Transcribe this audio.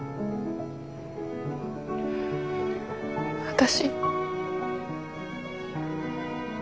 私。